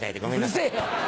うるせぇよ！